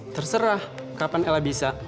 terserah kapan ella bisa